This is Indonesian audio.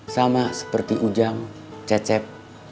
sama seperti ujang cecep